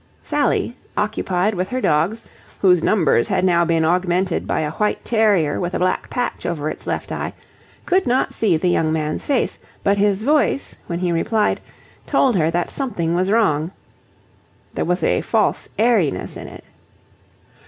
Sally, occupied with her dogs, whose numbers had now been augmented by a white terrier with a black patch over its left eye, could not see the young man's face: but his voice, when he replied, told her that something was wrong. There was a false airiness in it.